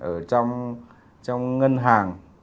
ở trong ngân hàng